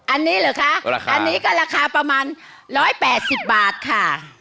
อันนี้เหรอคะอันนี้ก็ราคาประมาณ๑๘๐บาทค่ะ